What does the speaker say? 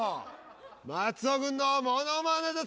松尾君のモノマネです。